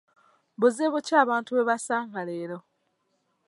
Buzibu ki abantu bwe basanga leero?